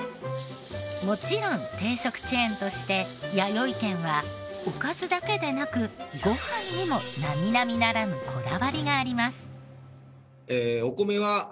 もちろん定食チェーンとしてやよい軒はおかずだけでなくご飯にも並々ならぬこだわりがあります。